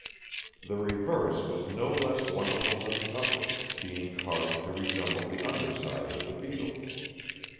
The reverse was no less wonderful than the upper, being carved to resemble the under side of the beetle.